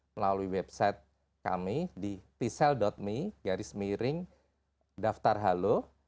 melalui website kami di tsel me garis miring daftar halo